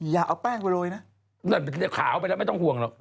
อย่าเอาแป้งไปโรยนะเดี๋ยวขาวไปแล้วไม่ต้องห่วงหรอก